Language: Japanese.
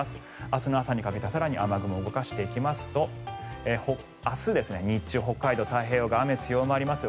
明日の朝にかけて更に雨雲を動かしていきますと明日、日中北海道、太平洋側は雨が強まります。